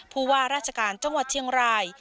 ผู้ว่าราชการจังหวัดเชียงราย